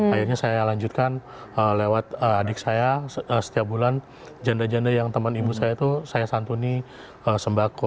akhirnya saya lanjutkan lewat adik saya setiap bulan janda janda yang teman ibu saya itu saya santuni sembako